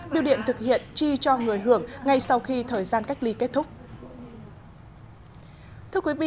biêu điện thực hiện chi cho người hưởng ngay sau khi thời gian cách ly kết thúc